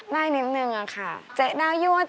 สังเกต่อเจ๊ว้าวอร์ด